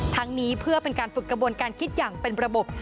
ทั้งนี้เพื่อเป็นการฝึกกระบวนการคิดอย่างเป็นระบบ